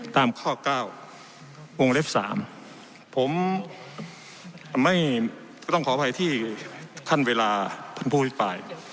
ตามข้อ๙วงเล็ก๓ผมไม่ต้องขออภัยที่ท่านเวลาพันธุ์พูดไป